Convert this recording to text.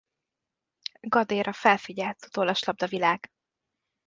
Gade-ra felfigyelt a tollaslabda világ.